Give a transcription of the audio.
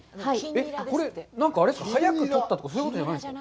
これ、なんか早く取ったとか、そういうことじゃないんですか。